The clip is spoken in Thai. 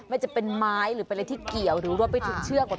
จะเป็นไม้หรือเป็นอะไรที่เกี่ยวหรือรวมไปถึงเชือก